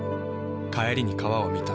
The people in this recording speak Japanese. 帰りに川を見た。